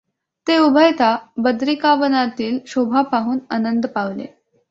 ते उभयता बदरिकावनातील शोभा पाहून आनंद पावले.